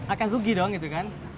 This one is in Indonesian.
akan rugi dong gitu kan